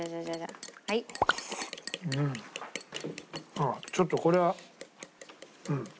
あっちょっとこれはうん。